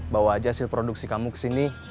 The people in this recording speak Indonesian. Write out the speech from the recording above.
bawa aja hasil produksi kamu ke sini